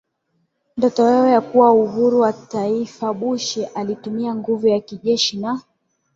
ndoto yao ya kuwa na uhuru wa kitaifaBush alitumia nguvu ya kijeshi na